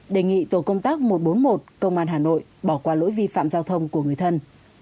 đề nghị tổ công tác một trăm bốn mươi một công an hà nội bỏ qua lỗi vi phạm giao thông của người thân